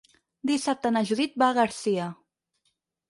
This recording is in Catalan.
Dissabte na Judit va a Garcia.